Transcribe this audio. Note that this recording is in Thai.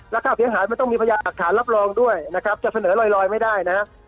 แล้วค่าเสียหายมันต้องมีพยานหลักฐานรับรองด้วยนะครับจะเสนอลอยไม่ได้นะฮะ